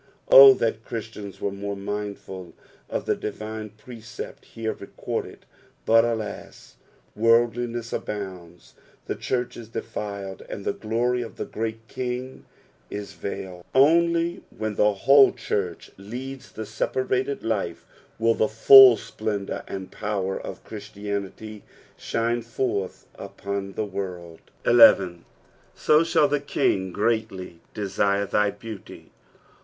O that Christians were more mindful of the divine precept here recorded ; but, alas ! worldlincas abounds ; the church is defiled ; and the glory of the Great King is veiled. Only when the whole church leads the separated life will the full splendour and power of Christianity shine forth upon tne world. 11. "& thall the iing greatly detire thy beauty.'